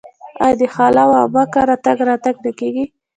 آیا د خاله او عمه کره تګ راتګ نه کیږي؟